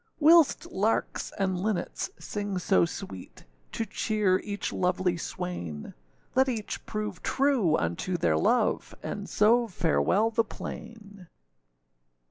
Whilst larks and linnets sing so sweet, To cheer each lovely swain; Let each prove true unto their love, And so farewell the plain.